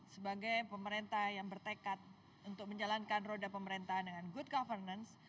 sebagai pemerintah yang bertekad untuk menjalankan roda pemerintahan dengan good governance